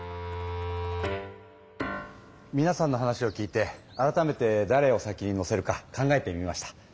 みなさんの話を聞いて改めてだれを先に乗せるか考えてみました。